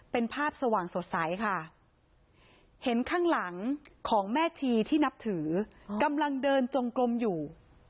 เป็นภาพสว่างสดใสค่ะเห็นข้างหลังของแม่ชีที่นับถือกำลังเดินจงกลมอยู่